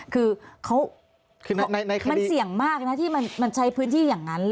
คือมันเสี่ยงมากนะที่มันใช้พื้นที่อย่างนั้น